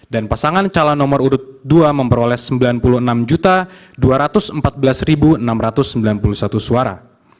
dan pasangan calon nomor urut dua memperoleh sembilan puluh enam dua ratus empat belas enam ratus sembilan puluh satu suara